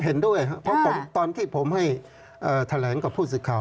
ผมเห็นด้วยเพราะตอนที่ผมให้แถลงกับผู้สิทธิ์ข่าว